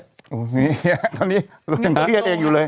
อุ๊ยเหี้ยตอนนี้เราก็ยังเครียดเองอยู่เลย